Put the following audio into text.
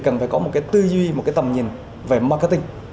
cần phải có một cái tư duy một cái tầm nhìn về marketing